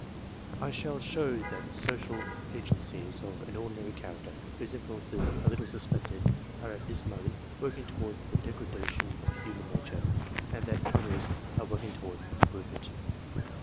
I shall show that social agencies of an ordinary character, whose influences are little suspected, are at this moment working towards the degradation of human nature, and that others are working towards its iprovement.